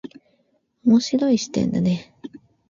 面白い視点だね。